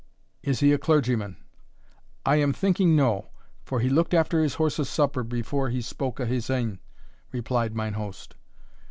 "Is he a clergyman?" "I am thinking no, for he looked after his horse's supper before he spoke o' his ain," replied mine host.